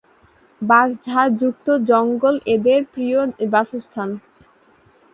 বাঁশঝাড় যুক্ত জঙ্গল এদের প্রিয় বাসস্থান।